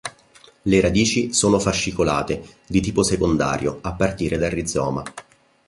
Le radici sono fascicolate, di tipo secondario a partire dal rizoma.